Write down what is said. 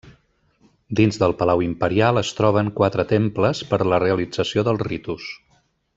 Dins del Palau Imperial es troben quatre temples per a la realització dels ritus.